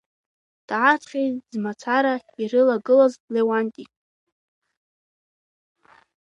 Дааҵҟьеит змацара ирылагылаз Леуанти.